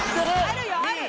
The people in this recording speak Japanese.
あるよある！